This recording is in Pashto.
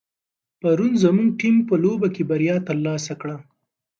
پرون زموږ ټیم په لوبه کې بریا ترلاسه کړه.